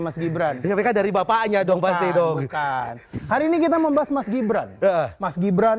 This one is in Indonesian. mas gibran ketika dari bapaknya dong pasti dong kan hari ini kita membahas mas gibran mas gibran